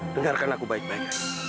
dengarkan aku baik baik